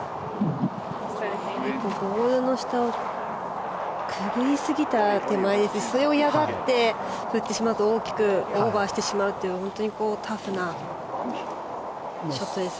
ボールの下をくぐりすぎたら手前ですしそれを嫌がって振ってしまうと大きくオーバーしてしまうという本当にタフなショットですね。